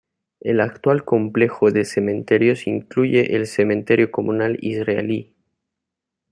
El actual complejo de cementerios incluye el Cementerio Comunal Israelí.